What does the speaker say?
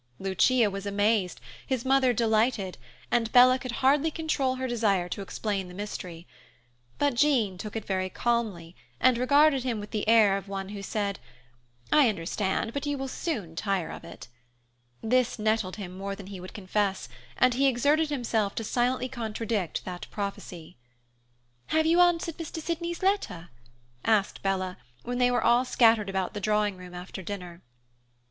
Lucia was amazed, his mother delighted, and Bella could hardly control her desire to explain the mystery; but Jean took it very calmly and regarded him with the air of one who said, "I understand, but you will soon tire of it." This nettled him more than he would confess, and he exerted himself to silently contradict that prophecy. "Have you answered Mr. Sydney's letter?" asked Bella, when they were all scattered about the drawing room after dinner.